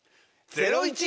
ゼロイチ！